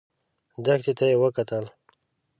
دښتې ته يې وکتل.